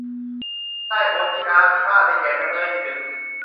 ได้โอนที่นาพิพาทให้แก่จำเลยที่หนึ่ง